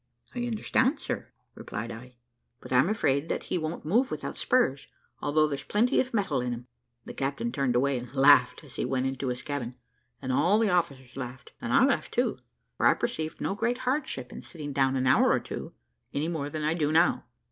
`I understand, sir,' replied I; `but I am afraid that he won't move without spurs, although there's plenty of metal in him.' The captain turned away and laughed as he went into his cabin, and all the officers laughed, and I laughed too, for I perceived no great hardship in sitting down an hour or two, any more than I do now.